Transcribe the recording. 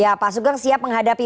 ya pak sugeng siap menghadapi